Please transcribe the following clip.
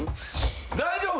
大丈夫？